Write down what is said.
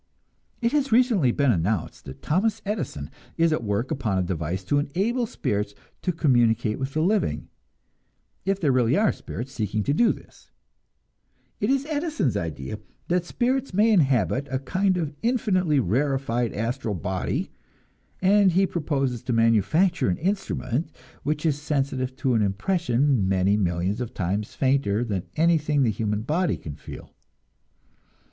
It has recently been announced that Thomas A. Edison is at work upon a device to enable spirits to communicate with the living, if there really are spirits seeking to do this. It is Edison's idea that spirits may inhabit some kind of infinitely rarefied astral body, and he proposes to manufacture an instrument which is sensitive to an impression many millions of times fainter than anything the human body can feel.